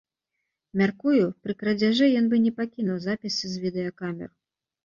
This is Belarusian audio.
Мяркую, пры крадзяжы ён бы не пакінуў запісы з відэакамер.